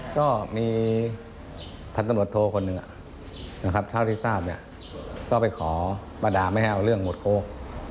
ก็มีพันตำรวจโทคนหนึ่งนะครับเท่าที่ทราบเนี่ยก็ไปขอมาด่าไม่ให้เอาเรื่องหมดโค้ก